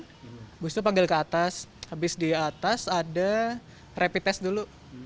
habis itu panggil ke atas habis di atas ada rapid test dulu